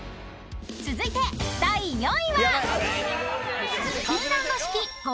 ［続いて第４位は］